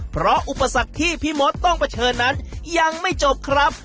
เพราะอุปสรรคที่พี่มดต้องเผชิญนั้นยังไม่จบครับ